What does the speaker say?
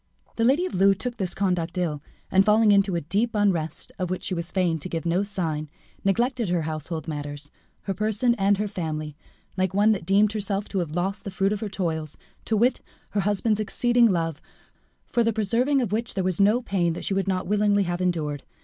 The lady of Loué took this conduct ill, and falling into a deep unrest, of which she was fain to give no sign, neglected her household matters, her person and her family, like one that deemed herself to have lost the fruit of her toils, to wit, her husband's exceeding love, for the preserving of which there was no pain that she would not willingly have endured.